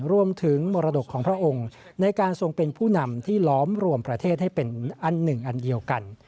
มรดกของพระองค์ในการทรงเป็นผู้นำที่ล้อมรวมประเทศให้เป็นอันหนึ่งอันเดียวกัน